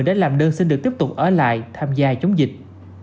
nhiều người đã làm đơn xin được tiếp tục ở lại tham gia chống dịch